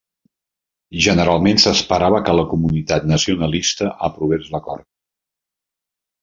Generalment s'esperava que la comunitat nacionalista aprovés l'acord.